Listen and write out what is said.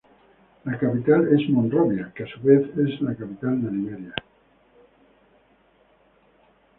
La capital es Monrovia, que a su vez es la capital de Liberia.